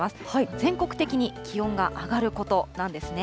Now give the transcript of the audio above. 全国的に気温が上がることなんですね。